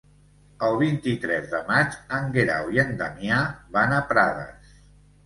El vint-i-tres de maig en Guerau i en Damià van a Prades.